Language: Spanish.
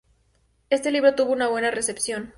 Este libro tuvo una buena recepción.